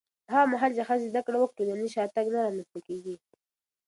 هغه مهال چې ښځې زده کړه وکړي، ټولنیز شاتګ نه رامنځته کېږي.